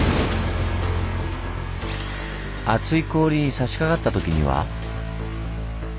厚い氷にさしかかったときには。